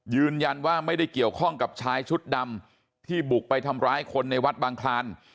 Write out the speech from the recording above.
ยืนยันว่าไม่ได้เกี่ยวข้องกับชายชุดดำที่บุกไปทำร้ายคนในวัดบางคลาน